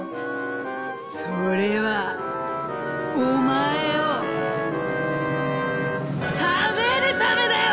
「それはおまえをたべるためだよ！